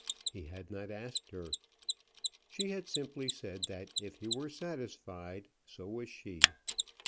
He had not asked her. She had simply said that if he were satisfied, so was she.